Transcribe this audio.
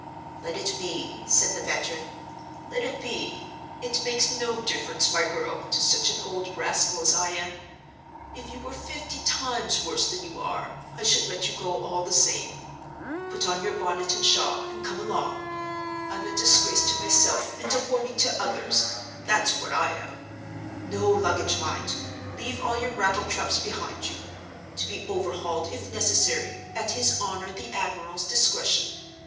"Let it be," said the veteran; "let it be! It makes no difference, my girl, to such an old rascal as I am. If you were fifty times worse than you are, I should let you go all the same. Put on your bonnet and shawl, and come along. I'm a disgrace to myself and a warning to others—that's what I am. No luggage, mind! Leave all your rattle traps behind you: to be overhauled, if necessary, at his honor the admiral's discretion.